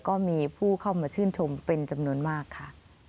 ก็มีผู้เข้ามาชื่นชมเป็นจำนวนมากค่ะ